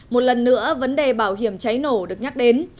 một lần nữa vấn đề bảo hiểm cháy nổ được nhắc đến